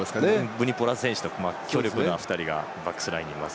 ブニポラ選手と強力な２人がバックスにいます。